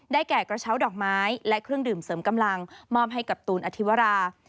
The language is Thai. แก่กระเช้าดอกไม้และเครื่องดื่มเสริมกำลังมอบให้กับตูนอธิวรา